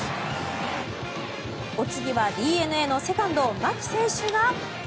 お次はＤｅＮＡのセカンド牧選手が。